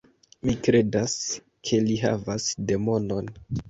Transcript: Mi kredas ke li havas demonon.